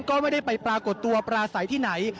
ก็ไม่ได้ไปปรากฏตัวปลาใสที่ไหน